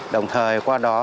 đồng thời qua đó